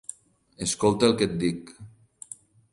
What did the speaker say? Escolta el que et dic.